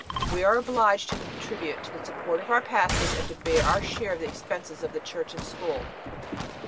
We are obliged to contribute to the support of our pastors, and to bear our share in the expenses of the church and school.